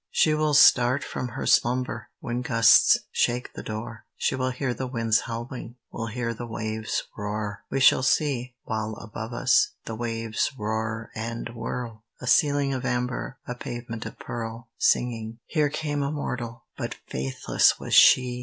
She will start from her slumber When gusts shake the door; She will hear the winds howling, Will hear the waves roar. We shall see, while above us The waves roar and whirl, A ceiling of amber, A pavement of pearl Singing: "Here came a mortal, But faithless was she!